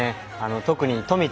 特に富田